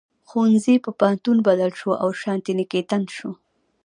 ښوونځي په پوهنتون بدل شو او شانتي نیکیتن شو.